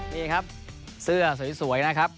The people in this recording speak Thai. นี่ครับเสื้อสวยนะครับ